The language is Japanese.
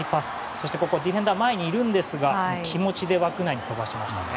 そして、ここディフェンダー前にいるんですが気持ちで枠内に飛ばしましたね。